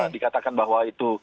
dikatakan bahwa itu